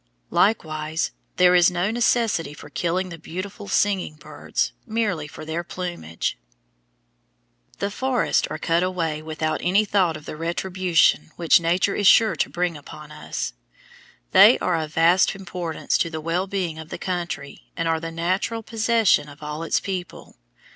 Likewise, there is no necessity for killing the beautiful singing birds, merely for their plumage. [Illustration: FIG. 131. EROSION UPON AN UNPROTECTED SLOPE] The forests are cut away without any thought of the retribution which Nature is sure to bring upon us. They are of vast importance to the well being of the country and are the natural possession of all its people.